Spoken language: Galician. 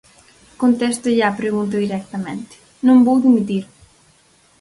Contéstolle á pregunta directamente: non vou dimitir.